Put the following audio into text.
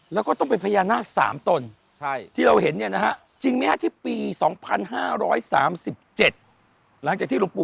แล้วก็ต้องเป็นพญานาคสามตน